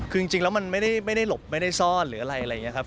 คือจริงแล้วมันไม่ได้หลบไม่ได้ซ่อนหรืออะไรอะไรอย่างนี้ครับ